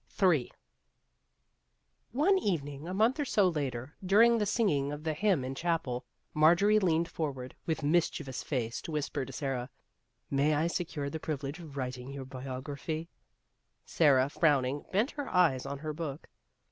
Ill One evening a month or so later, during the singing of the hymn in chapel, Mar jorie leaned forward with mischievous face to whisper to Sara :" May I secure the privilege of writing your biography ?" Sara, frowning, bent her eyes on her book.